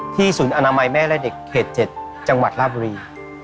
ศูนย์อนามัยแม่และเด็กเขต๗จังหวัดลาบุรี